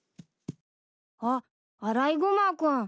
あっアライグマ君。